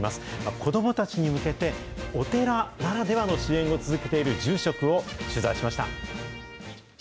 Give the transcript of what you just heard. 子どもたちに向けて、お寺ならではの支援を続けている住職を取材しました。